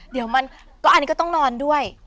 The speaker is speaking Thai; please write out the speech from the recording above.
เดี๋ยวมันก็อันนี้ก็ต้องนอนด้วย